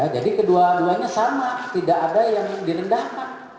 jadi kedua duanya sama tidak ada yang direndahkan